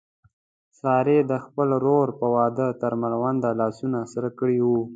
سارې د خپل ورور په واده تر مړونده لاسونه سره کړي و.